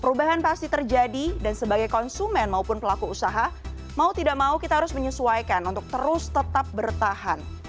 perubahan pasti terjadi dan sebagai konsumen maupun pelaku usaha mau tidak mau kita harus menyesuaikan untuk terus tetap bertahan